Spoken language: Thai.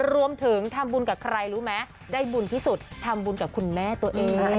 รวมถึงทำบุญกับใครรู้ไหมได้บุญที่สุดทำบุญกับคุณแม่ตัวเอง